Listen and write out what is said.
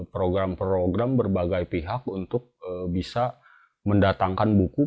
program program berbagai pihak untuk bisa mendatangkan buku